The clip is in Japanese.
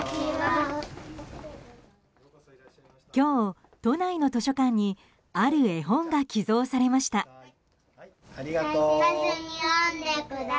今日、都内の図書館にある絵本が寄贈されました。